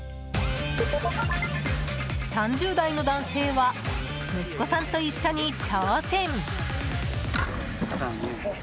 ３０代の男性は息子さんと一緒に挑戦！